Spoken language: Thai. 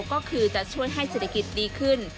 ก็คือจะช่วยให้เศรษฐกิจดีขึ้น